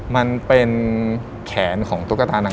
มันเป็นแขนของตุ๊กตานาง